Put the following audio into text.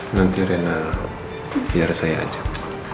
nanti rena biar saya ajak